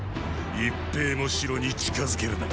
一兵も城に近づけるな。